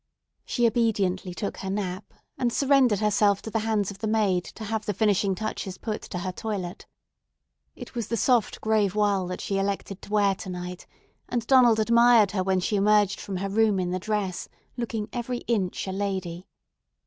She obediently took her nap, and surrendered herself to the hands of the maid to have the finishing touches put to her toilet. It was the soft gray voile that she elected to wear to night, and Donald admired her when she emerged from her room in the dress, looking every inch a lady.